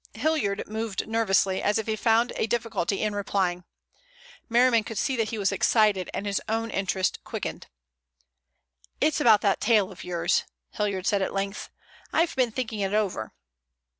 Hilliard moved nervously, as if he found a difficulty in replying. Merriman could see that he was excited, and his own interest quickened. "It's about that tale of yours," Hilliard said at length. "I've been thinking it over."